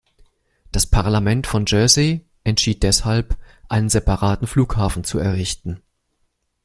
Das Parlament von Jersey entschied deshalb, einen separaten Flughafen zu errichten.